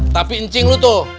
tapi ncing lu tuh